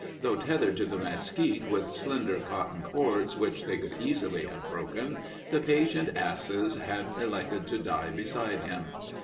Though tethered to the mesquite with slender cotton cords which they could easily have broken, the patient asses had elected to die beside him.